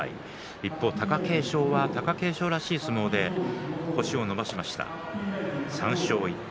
一方、貴景勝は貴景勝らしい相撲で星を伸ばしました３勝１敗。